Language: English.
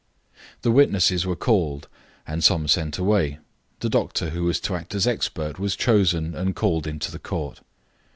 The witnesses were called, and some sent away; the doctor who was to act as expert was chosen and called into the court.